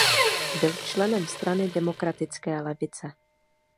Byl členem Strany demokratické levice.